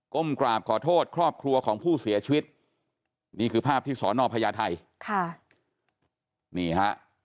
้มกราบขอโทษครอบครัวของผู้เสียชีวิตนี่คือภาพที่สอนอพญาไทยค่ะนี่ฮะ